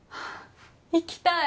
行きたい！